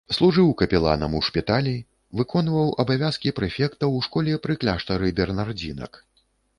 Служыў капеланам у шпіталі, выконваў абавязкі прэфекта ў школе пры кляштары бернардзінак.